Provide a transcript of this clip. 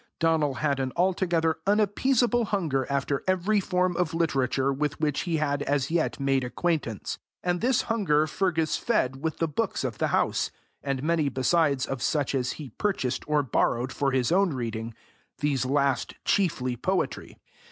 Donal had an altogether unappeasable hunger after every form of literature with which he had as yet made acquaintance, and this hunger Fergus fed with the books of the house, and many besides of such as he purchased or borrowed for his own reading these last chiefly poetry.